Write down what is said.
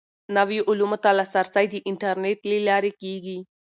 نویو علومو ته لاسرسی د انټرنیټ له لارې کیږي.